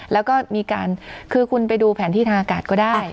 แล้วก็มีการคือคุณไปดูแผนที่ทางอากาศก็ได้